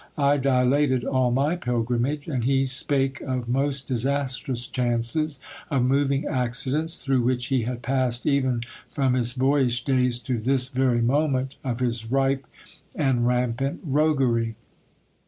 I dilated all my pilgrimage, and he spake of most disastrous chances, of moving accidents .through which he had passed even from his boyish days to this very moment of his ripe and rampant roguery.